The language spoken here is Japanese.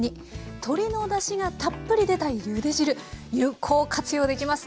鶏のだしがたっぷり出たゆで汁有効活用できます。